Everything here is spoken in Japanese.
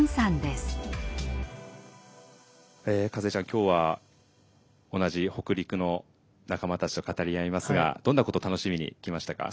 今日は同じ北陸の仲間たちと語り合いますがどんなことを楽しみに来ましたか？